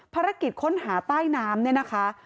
ภารกิจค้นหาใต้น้ำ